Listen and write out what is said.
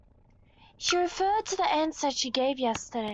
She referred to the answer she gave yesterday.